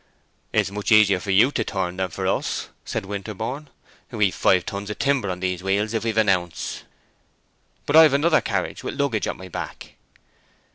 "It is much easier for you to turn than for us," said Winterborne. "We've five tons of timber on these wheels if we've an ounce." "But I've another carriage with luggage at my back."